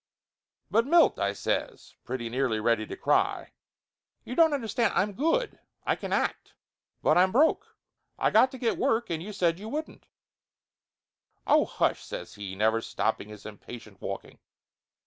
"But, Milt," I says, pretty nearly ready to cry, "you don't understand! I'm good, I can act, but I'm broke. I got to get work, and you said you wouldn't " "Oh, hush!" says he, never stopping his impatient walking.